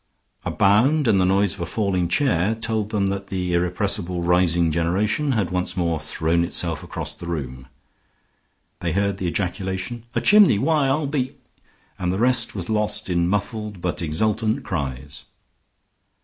A bound and the noise of a falling chair told them that the irrepressible rising generation had once more thrown itself across the room. They heard the ejaculation: "A chimney! Why, I'll be " and the rest was lost in muffled, but exultant, cries.